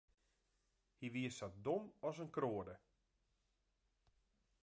Hy wie sa dom as in kroade.